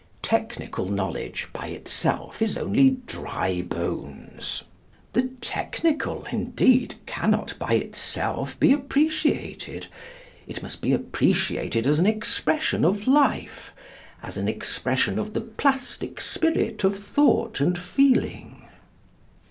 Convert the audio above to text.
Technical knowledge, by itself, is only dry bones. The technical, indeed, cannot by itself be appreciated. It must be appreciated as an expression of life as an expression of the plastic spirit of thought and feeling.